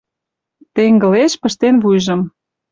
Теҥгылеш пыштен вуйжым